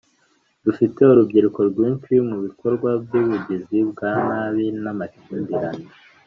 dufite urubyiruko rwinshi mu bikorwa by’ubugizi bwa nabi n’amakimbirane